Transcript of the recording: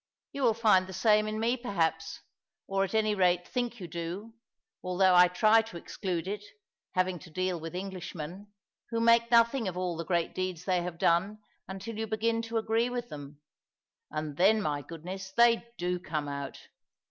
You will find the same in me perhaps, or, at any rate, think you do, although I try to exclude it, having to deal with Englishmen, who make nothing of all the great deeds they have done until you begin to agree with them. And then, my goodness, they do come out!